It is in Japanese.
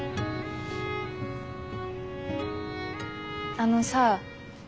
あのさ。